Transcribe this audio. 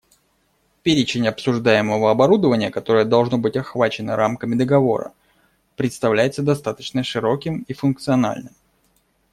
Перечень обсуждаемого оборудования, которое должно быть охвачено рамками договора, представляется достаточно широким и функциональным.